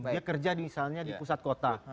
dia kerja di misalnya di pusat kota